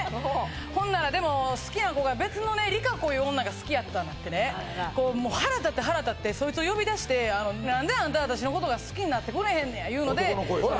ほんならでも好きな子が別のねリカコいう女が好きやったなってね腹立って腹立ってそいつを呼び出して何でアンタ私のことが好きになってくれへんのやいうのでおい